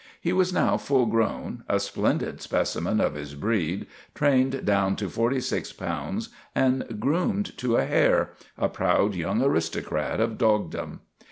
He was now full grown, a splendid specimen of his breed, trained down to forty six pounds and groomed to a hair a proud young aristocrat of dogdom.